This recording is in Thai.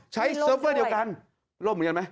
เซิร์ฟเวอร์เดียวกันล่มเหมือนกันไหม